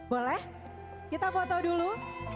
boleh kita foto dulu